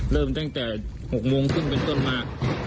เริ่มตั้งแต่๖โมงครึ่งเป็นต้นมา